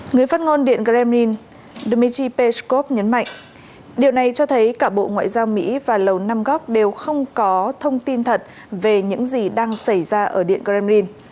người phát ngôn điện kremlin dmitry peskov nhấn mạnh điều này cho thấy cả bộ ngoại giao mỹ và lầu năm góc đều không có thông tin thật về những gì đang xảy ra ở điện kremlin